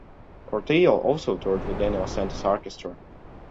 Cortijo also toured with Daniel Santos' orchestra.